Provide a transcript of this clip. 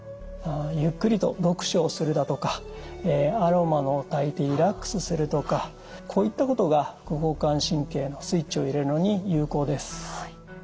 ゆっくりと読書をするだとかアロマをたいてリラックスするとかこういったことが副交感神経のスイッチを入れるのに有効です。